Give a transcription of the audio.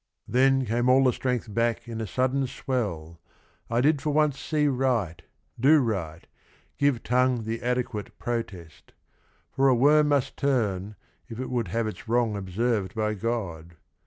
"then Came all the strength back in a sudden swell, I did for once see right, do right, give tongue The adequate protest : for a worm must turn If it would have its wrong observed by God.